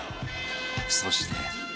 そして